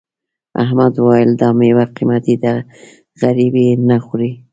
احمد وویل دا میوه قيمتي ده غريب یې نه خوري.